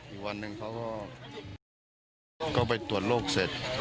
อีกวันหนึ่งเขาก็ไปตรวจโรคเสร็จ